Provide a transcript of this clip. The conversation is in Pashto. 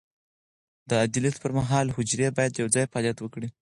د عادي لید پر مهال، حجرې باید یوځای فعالیت وکړي.